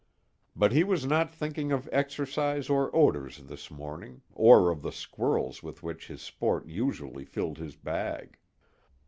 But he was not thinking of exercise or odors this morning, or of the squirrels with which his sport usually filled his bag.